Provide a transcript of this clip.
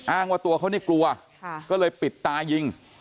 อ้างว่าตัวเขานี่กลัวก็เลยปิดตายิง